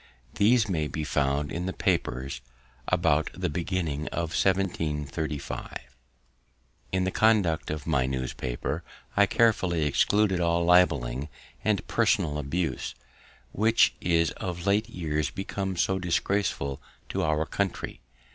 These may be found in the papers about the beginning of 1735. June 23 and July 7, 1730. Smyth. In the conduct of my newspaper, I carefully excluded all libeling and personal abuse, which is of late years become so disgraceful to our country.